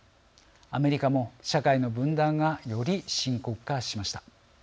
アメリカも社会の分断がより深刻化しました。